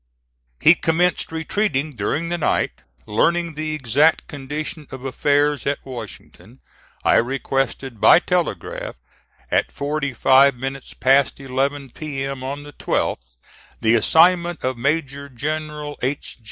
He commenced retreating during the night. Learning the exact condition of affairs at Washington, I requested by telegraph, at forty five minutes past eleven P.M., on the 12th, the assignment of Major General H.